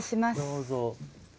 どうぞ。